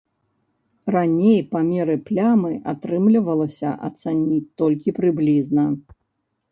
Раней памеры плямы атрымлівалася ацаніць толькі прыблізна.